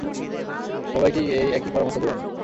সবাইকে এই একই পরামর্শ দেব আমি!